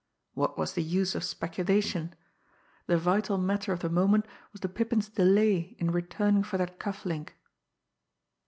What was the use of speculation? The vital matter of the moment was the Pippin's delay in returning for that cuff link!